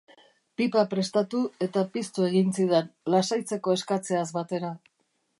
Pipa prestatu, eta piztu egin zidan, lasaitzeko eskatzeaz batera.